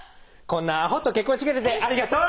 こんなアホと結婚してくれてありがとう！